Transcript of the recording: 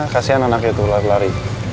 kasian anak anaknya tuh lari lari